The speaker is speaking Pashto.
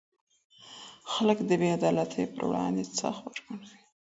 خلګ د بې عدالتۍ پر وړاندې څه غبرګون ښيي؟